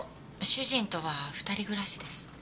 主人とは二人暮らしです。